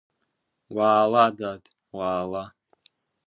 Уаала, дад, уаала…